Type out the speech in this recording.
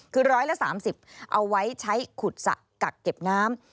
คือ๑๓๐เอาไว้ใช้ขุดสระกักเก็บน้ำ